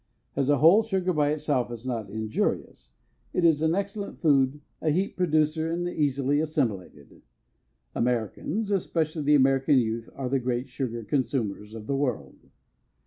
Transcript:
As a whole sugar by itself is not injurious; it is an excellent food, a heat producer and easily assimilated. Americans, especially the American youth, are the great sugar consumers of the world.